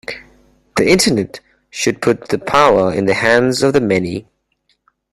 The Internet should put the power in the hands of the many.